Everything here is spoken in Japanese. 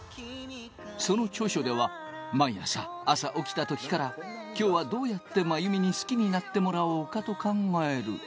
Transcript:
その著書では、毎朝、朝起きた時から今日はどうやって真由美に好きになってもらおうかと考える。